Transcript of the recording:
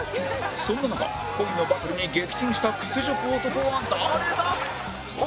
そんな中恋のバトルに撃沈した屈辱男は誰だ？